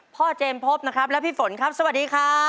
เจมส์พบนะครับและพี่ฝนครับสวัสดีครับ